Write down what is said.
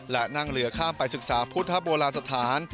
และนั่งเรือข้ามไปศึกษาพุทธโบราณสถาน